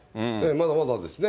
まだまだですね。